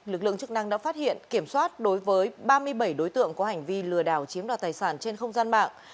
lực lượng chức năng đã phát hiện kiểm soát đối với ba mươi bảy đối tượng có hành vi lừa đảo chiếm đoạt tài sản trên không gian mạng